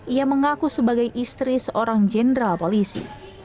ia mengaku sebagai istri seorang jenderal polisi